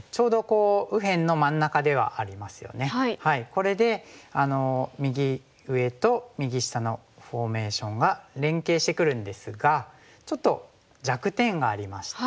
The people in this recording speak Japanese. これで右上と右下のフォーメーションが連携してくるんですがちょっと弱点がありまして。